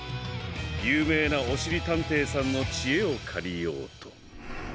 ゆうめいなおしりたんていさんのちえをかりようと。